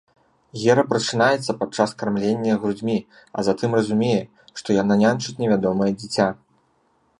Гера прачынаецца падчас кармлення грудзьмі, а затым разумее, што яна няньчыць невядомае дзіця.